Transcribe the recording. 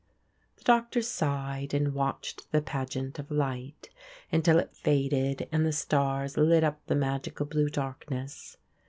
The Doctor sighed and watched the pageant of light until it faded and the stars lit up the magical blue darkness.